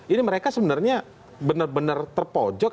ini mereka sebenarnya benar benar terpojok